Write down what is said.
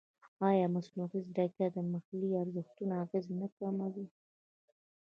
ایا مصنوعي ځیرکتیا د محلي ارزښتونو اغېز نه کموي؟